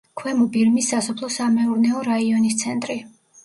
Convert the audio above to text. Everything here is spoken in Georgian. ქვემო ბირმის სასოფლო-სამეურნეო რაიონის ცენტრი.